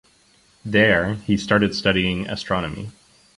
There he started studying astronomy.